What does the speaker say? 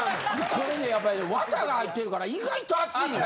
これねやっぱり綿が入ってるから意外と暑いねん。